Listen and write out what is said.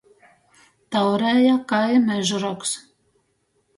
Taurēja kai mežrogs.